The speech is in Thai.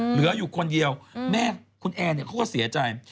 เหลืออยู่คนเดียวแม่คุณแอร์เขาก็เสียใจ